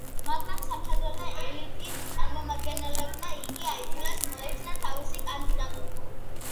მაგრამ სამხედრო და „ელიტის“ წარმომადგენლებმა იგი აიძულეს მოეხსნა თავისი კანდიდატურა.